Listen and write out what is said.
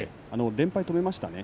連敗止めましたね。